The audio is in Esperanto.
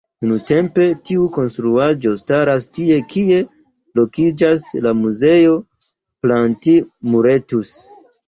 Nuntempe, tiu konstruaĵo staras tie kie lokiĝas la Muzeo Plantin-Moretus.